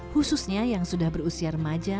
khususnya yang sudah berusia remaja